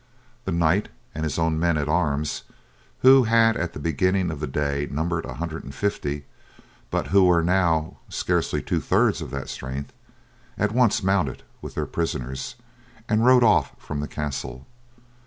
The knight, and his own men at arms, who had at the beginning of the day numbered a hundred and fifty, but who were now scarcely two thirds of that strength, at once mounted with their prisoners, and rode off from the castle.